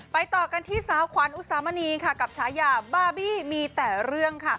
ต่อกันที่สาวขวัญอุสามณีค่ะกับฉายาบาร์บี้มีแต่เรื่องค่ะ